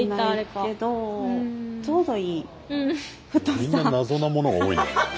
みんな謎なものが多いな。